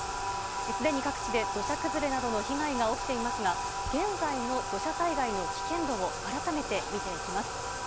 すでに各地で土砂崩れなどの被害が起きていますが、現在の土砂災害の危険度を改めて見ていきます。